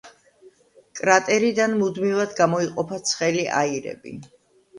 კრატერიდან მუდმივად გამოიყოფა ცხელი აირები.